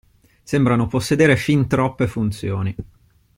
Sembrano possedere fin troppe funzioni.